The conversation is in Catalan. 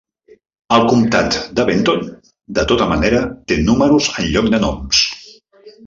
El comtat de Benton, de tota manera, te números en lloc de noms.